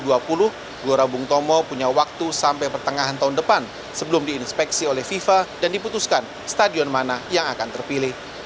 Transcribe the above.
gelora bung tomo punya waktu sampai pertengahan tahun depan sebelum diinspeksi oleh fifa dan diputuskan stadion mana yang akan terpilih